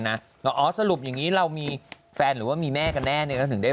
นะหรอสรุปอย่างนี้เรามีแฟนหรือว่ามีแม่ก็แล้วถึงได้